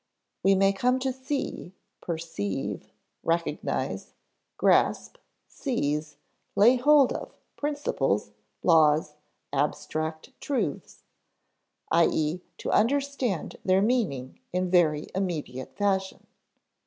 We may come to see, perceive, recognize, grasp, seize, lay hold of principles, laws, abstract truths i.e. to understand their meaning in very immediate fashion.